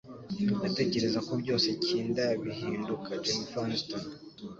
ndatekereza ko byose kinda bihinduka.” - Jennifer Aniston